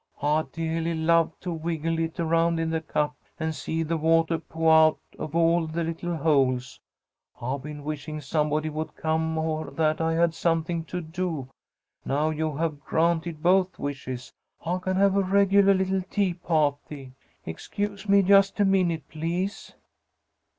I deahly love to wiggle it around in the cup and see the watah po'ah out of all the little holes. I've been wishing somebody would come, or that I had something to do. Now you have granted both wishes. I can have a regulah little tea pah'ty. Excuse me just a minute, please."